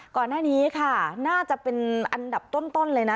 ก่อนหน้านี้ค่ะน่าจะเป็นอันดับต้นเลยนะ